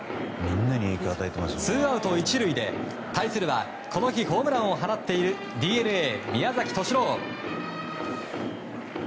ツーアウト１塁で、対するはこの日ホームランを放っているＤｅＮＡ、宮崎敏郎。